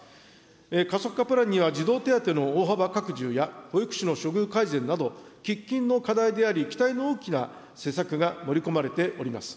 加速化プランには児童手当の大幅拡充や、保育士の処遇改善など、喫緊の課題であり、期待の大きな施策が盛り込まれております。